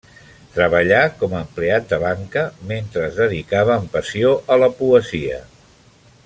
Treballà com a empleat de banca, mentre es dedicava amb passió a la poesia.